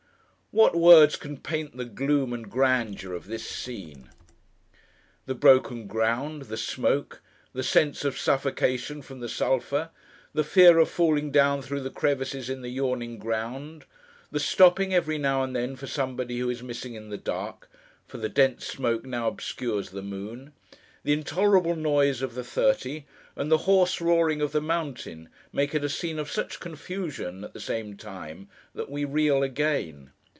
What words can paint the gloom and grandeur of this scene! The broken ground; the smoke; the sense of suffocation from the sulphur: the fear of falling down through the crevices in the yawning ground; the stopping, every now and then, for somebody who is missing in the dark (for the dense smoke now obscures the moon); the intolerable noise of the thirty; and the hoarse roaring of the mountain; make it a scene of such confusion, at the same time, that we reel again.